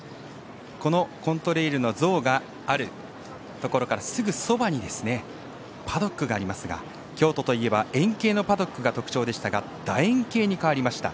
このコントレイルの像があるところからすぐそばにパドックがありますが京都といえば円形のパドックが特徴でしたがだ円形に変わりました。